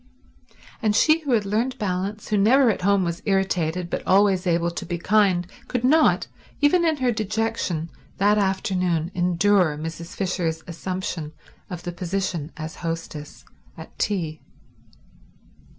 And she who had learned balance, who never at home was irritated but always able to be kind, could not, even in her dejection, that afternoon endure Mrs. Fisher's assumption of the position as hostess at tea.